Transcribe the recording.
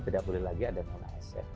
tidak boleh lagi ada non asn